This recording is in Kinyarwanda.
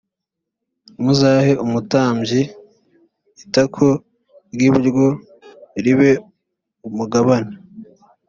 muzahe umutambyi itako ry iburyo ribe umugabane